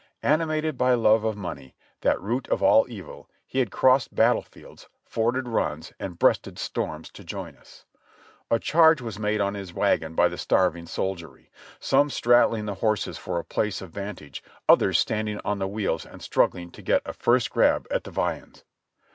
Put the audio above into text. Animated by love of money, that "root of all evil," he had crossed battle fields, forded runs and breasted storms to join us. A charge was made on his wagon by the starving soldiery ; some straddling the horses for a place of vantage, others standing on the wheels and struggling to get a first grab at the viands.